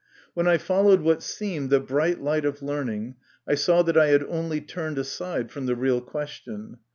When I followed what seemed the bright light of learning, I saw that I had only turned aside from the real question.